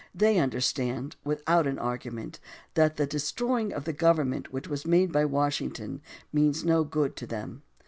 They understand, without an argument, that the destroying of the Government which was made by Washington means no good to them.